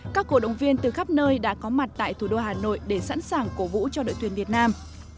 các cổ động viên từ khắp nơi đã có mặt tại thủ đô hà nội để sẵn sàng cổ vũ cho đội tuyển việt nam